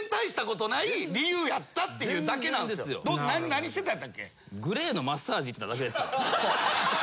何してたんやったっけ？